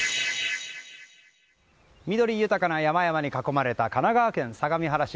緑豊かな山々に囲まれた神奈川県相模原市。